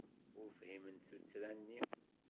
Ur fhiment tuttra-nni.